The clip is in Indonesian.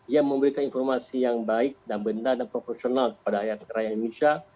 yang memberikan informasi yang baik dan benar dan proporsional kepada rakyat indonesia